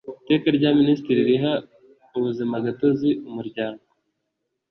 Iteka rya Minisitiri riha ubuzimagatozi Umuryango